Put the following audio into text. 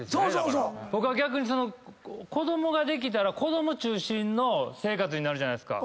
僕は逆に子供ができたら子供中心の生活になるじゃないですか。